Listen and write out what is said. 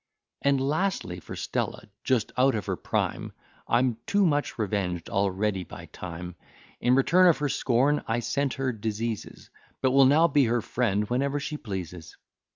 And, lastly, for Stella, just out of her prime, I'm too much revenged already by Time, In return of her scorn, I sent her diseases, But will now be her friend whenever she pleases.